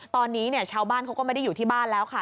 ตอนนี้เนี่ยชาวบ้านเขาก็ไม่ได้อยู่ที่บ้านแล้วค่ะ